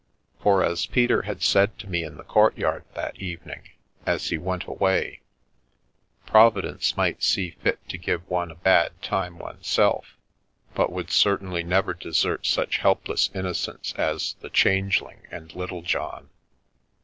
For, as Peter had said to me in the courtyard that evening as he went away, Providence might see fit to give one a bad time oneself, but would certainly never desert such helpless innocents as the Changeling and Littlejohn.